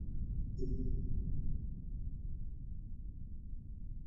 台湾独活为伞形科当归属祁白芷的变种。